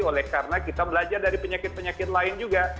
oleh karena kita belajar dari penyakit penyakit lain juga